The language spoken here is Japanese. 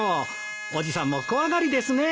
伯父さんも怖がりですね。